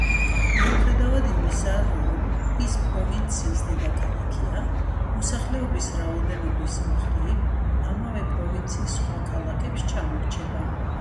მიუხედავად იმისა, რომ ის პროვინციის დედაქალაქია, მოსახლეობის რაოდენობის მხრივ, ამავე პროვინციის სხვა ქალაქებს ჩამორჩება.